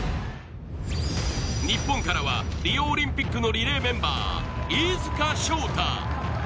日本からはリオオリンピックのリレーメンバー・飯塚翔太。